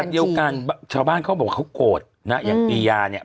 เดียวกันชาวบ้านเขาบอกเขาโกรธนะอย่างปียาเนี่ย